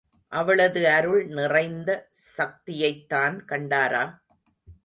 அவளது அருள் நிறைந்த சக்தியைத்தான் கண்டாரா?